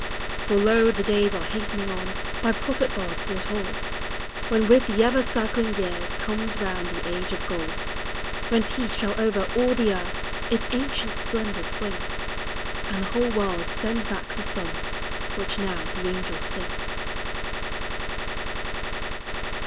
For lo! the days are hastening on, By prophet bards foretold, When with the ever circling years Conies round the age of gold; When Peace shall over all the earth Its ancient splendors fling, And the whole world send back the song Which now the angels sing.